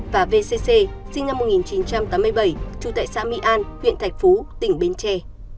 và vcc sinh năm một nghìn chín trăm tám mươi bảy trú tại xã mỹ an huyện thạch phú tỉnh bến tre